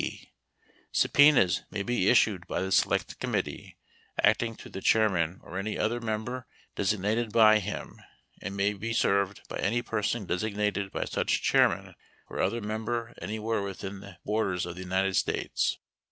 14 (b) Subpenas may be issued by the select committee 15 acting through the chairman or any other member desig 16 nated by him, and may be served by any person designated 17 by such chairman or other member anywhere within the 18 borders of the United States.